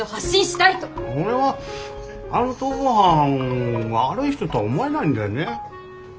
俺はあの逃亡犯悪い人とは思えないんだよね。